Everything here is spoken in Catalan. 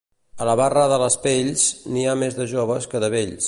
A la barra de les pells, n'hi ha més de joves que de vells.